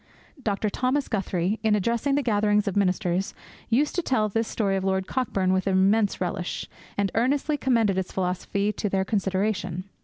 Dr. Thomas Guthrie, in addressing gatherings of ministers, used to tell this story of Lord Cockburn with immense relish, and earnestly commended its philosophy to their consideration.